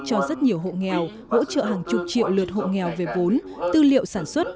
cho rất nhiều hộ nghèo hỗ trợ hàng chục triệu lượt hộ nghèo về vốn tư liệu sản xuất